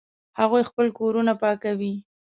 هغوی خپلې کورونه پاکوي